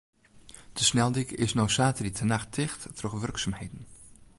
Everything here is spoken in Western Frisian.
De sneldyk is no saterdeitenacht ticht troch wurksumheden.